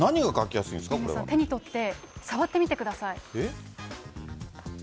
手に取って触ってみてください。